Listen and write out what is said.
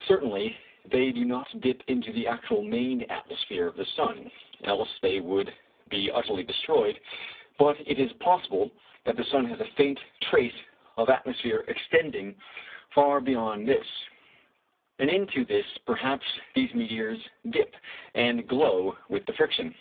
Certainly they do not dip into the actual main atmosphere of the sun, else they would be utterly destroyed; but it is possible that the sun has a faint trace of atmosphere extending far beyond this, and into this perhaps these meteors dip, and glow with the friction.